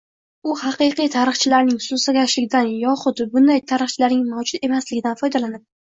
U haqiqiy tarixchilarning sustkashligidan yoxud bunday tarixchilarning mavjud emasligidan foydalanib